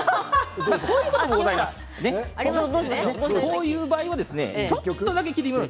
こういう場合はちょっとだけ切り込みを。